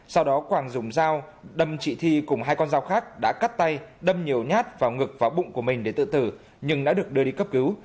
sau đó quảng dùng dao đâm chị cùng hai con dao khác đã cắt tay đâm nhiều nhát vào ngực và bụng của mình để tự tử nhưng đã được đưa đi cấp cứu